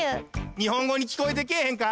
日本ごにきこえてけぇへんか？